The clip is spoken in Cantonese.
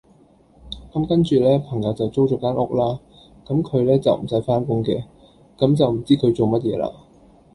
咁跟住呢，朋友就租咗間屋啦，咁佢呢，就唔使返工嘅，咁就唔知佢做乜嘢啦